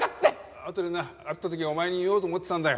あとでな会った時にお前に言おうと思ってたんだよ。